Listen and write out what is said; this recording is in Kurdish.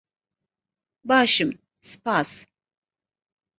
Baş im, spas.